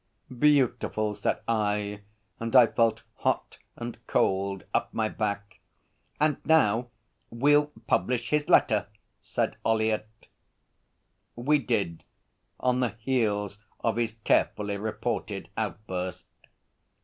'Beautiful!' said I, and I felt hot and cold up my back. 'And now we'll publish his letter,' said Ollyett. We did on the heels of his carefully reported outburst.